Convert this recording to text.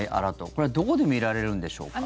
これはどこで見られるんでしょうか？